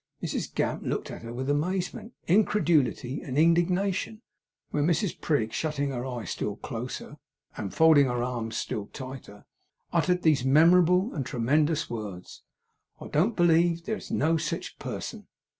Mrs Gamp looked at her with amazement, incredulity, and indignation; when Mrs Prig, shutting her eye still closer, and folding her arms still tighter, uttered these memorable and tremendous words: 'I don't believe there's no sich a person!